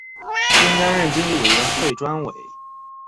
并担任经济委员会专委。